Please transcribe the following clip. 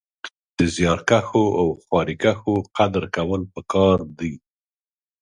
د زيارکښو او خواريکښو قدر کول پکار دی